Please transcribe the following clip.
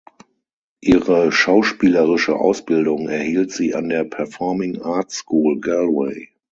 Ihre schauspielerische Ausbildung erhielt sie an der "Performing Arts School Galway".